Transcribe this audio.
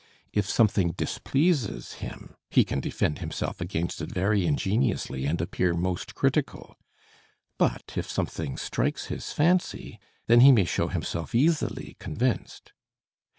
If something displeases him, he can defend himself against it very ingeniously and appear most critical. But if something strikes his fancy, then he may show himself easily convinced.